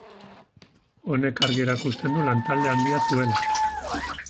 Honek argi erakusten du lantalde handia zuela.